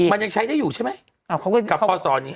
มันยังใช้ได้อยู่ใช่มั้ย